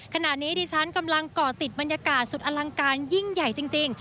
ขณะนี้ดิฉันกำลังก่อติดบรรยากาศสุดอลังการยิ่งใหญ่จริง